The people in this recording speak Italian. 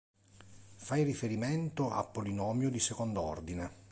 Fai riferimento a polinomio di secondo ordine.